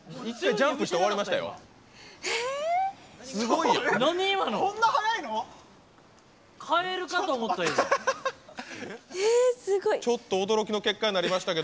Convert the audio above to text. ジャンプして終わりましたよ。